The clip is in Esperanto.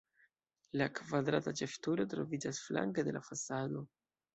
La kvadrata ĉefturo troviĝas flanke de la fasado.